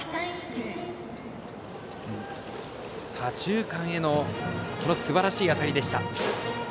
左中間へのすばらしい当たりでした。